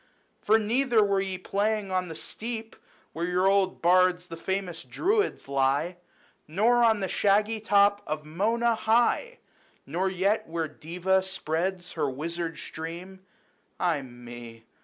For neither were ye playing on the steep Where your old bards, the famous Druids, lie, Nor on the shaggy top of Mona high, Nor yet where Deva spreads her wizard stream. Ay me